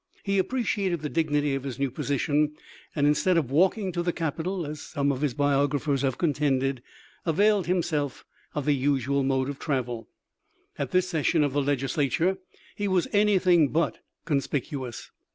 He appreciated the dignity of his new position, and instead of walking to the capitol, as some of his biographers have contended, availed himself of the usual mode of travel. At this session of the Legis lature he was anything but conspicuous.